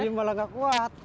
iya malah nggak kuat